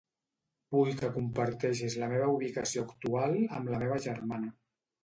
Vull que comparteixis la meva ubicació actual amb la meva germana.